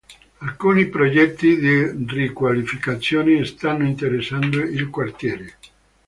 Alcuni progetti di riqualificazione stanno interessando il quartiere.